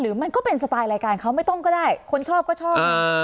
มันก็เป็นสไตล์รายการเขาไม่ต้องก็ได้คนชอบก็ชอบ